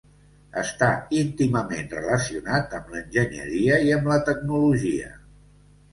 Està íntimament relacionat amb l'enginyeria i amb la tecnologia.